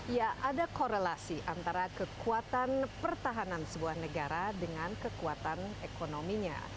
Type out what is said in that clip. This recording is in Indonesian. ya ada korelasi antara kekuatan pertahanan sebuah negara dengan kekuatan ekonominya